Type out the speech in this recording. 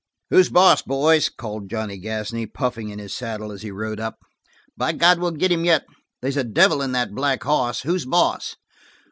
"Who's boss, boys?" called Johnny Gasney, puffing in his saddle as he rode up. "By God, we'll get him yet! They's a devil in that black hoss! Who's boss?"